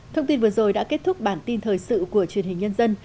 thông tin vừa rồi đã kết thúc bản tin thời sự của truyền hình nhân dân